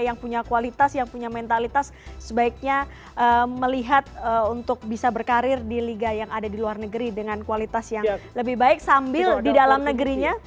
yang punya kualitas yang punya mentalitas sebaiknya melihat untuk bisa berkarir di liga yang ada di luar negeri dengan kualitas yang lebih baik sambil di dalam negerinya